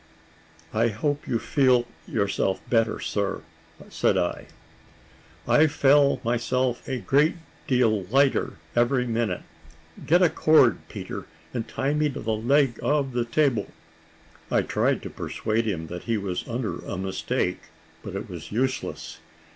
"I hope you feel yourself better, sir," said I. "I fell myself a great deal lighter every minute. Get a cord, Peter, and tie me to the leg of the table." I tried to persuade him that he was under a mistake; but it was useless.